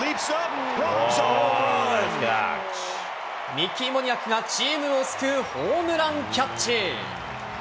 ミッキー・モニアックがチームを救うホームランキャッチ。